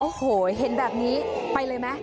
โอ้โหเห็นแบบนี้ไปเลยไหม